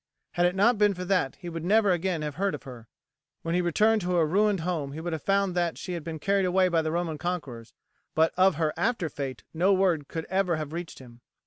Had it not been for that he would never again have heard of her. When he returned to her ruined home he would have found that she had been carried away by the Roman conquerors, but of her after fate no word could ever have reached him.